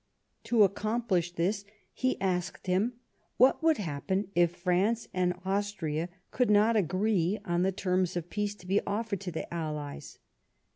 To accomplish this, he asked him what would happen if France and Austria could not agree on the terms of peace to be offered to the allies.